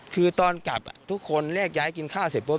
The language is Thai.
คือตอนกลับทุกคนแยกย้ายกินข้าวเสร็จปุ๊